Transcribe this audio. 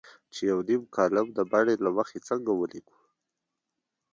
چې یو کالم د بڼې له مخې څنګه ولیکو.